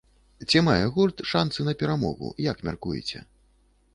Ці мае гурт шанцы на перамогу, як мяркуеце?